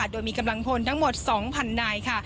โดยมีกำลังพลทั้งหมด๒๐๐นายค่ะ